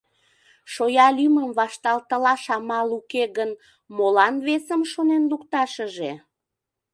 Шоя лӱмым вашталтылаш амал уке гын, молан весым шонен лукташыже?